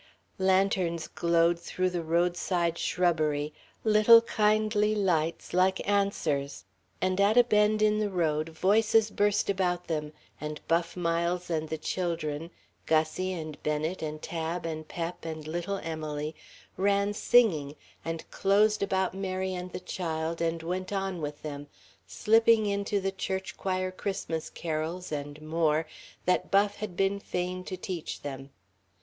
Lanterns glowed through the roadside shrubbery, little kindly lights, like answers; and at a bend in the road voices burst about them, and Buff Miles and the children, Gussie and Bennet and Tab and Pep and little Emily, ran, singing, and closed about Mary and the child, and went on with them, slipping into the "church choir Christmas carols," and more, that Buff had been fain to teach them.